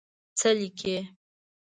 څه لیکې.